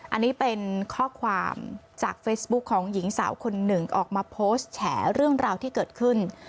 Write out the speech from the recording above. อันนี้เป็นข้อความจากเฟซบุ๊คของหญิงสาวคนหนึ่งออกมาโพสต์แฉเรื่องราวที่เกิดขึ้น